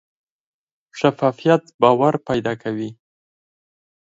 شفافیت باور پیدا کوي